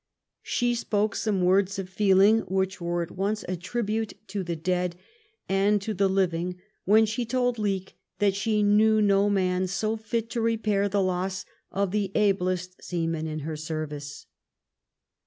She spoke some words of feeling which were at once a tribute to the dead and to the living when she told Leake that she knew no man so fit to repair the loss of the ablest seaman in her service.